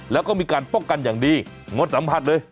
แล้วก็มีการป้องกันอย่างดีงดสัมผัสเลย